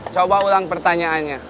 coba ulang pertanyaannya